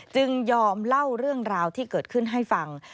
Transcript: จึงยอมเล่าเรื่องราวที่เกิดขึ้นให้ฟัง